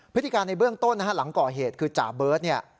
พฤติการในเบื้องต้นนะฮะหลังก่อเหตุคือจ่าเบิร์ตเนี่ย